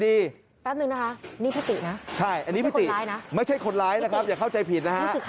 แป๊บนึงนะคะนี่พี่ติ๊นะไม่ใช่คนร้ายนะพี่ติ๊รู้สึกข่าวเรานะคะใช่อันนี้พี่ติ๊ไม่ใช่คนร้ายนะครับอย่าเข้าใจผิด